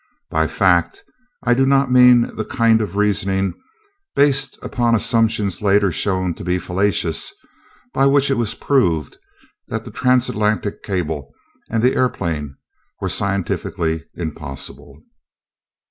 By "fact" I do not mean the kind of reasoning, based upon assumptions later shown to be fallacious, by which it was "proved" that the transatlantic cable and the airplane were scientifically impossible.